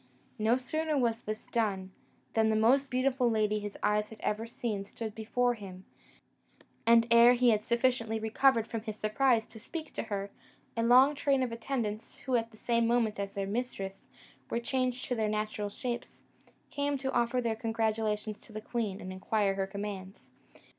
No sooner was this done, than the most beautiful lady his eyes had ever seen stood before him: and ere he had sufficiently recovered from his surprise to speak to her, a long train of attendants, who, at the same moment as their mistress, were changed to their natural shapes, came to offer their congratulations to the queen, and inquire her commands.